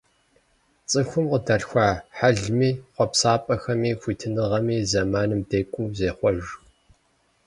ЦӀыхум къыдалъхуа хьэлми, хъуэпсапӀэхэми, хуитыныгъэми зэманым декӏуу зехъуэж.